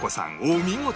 お見事！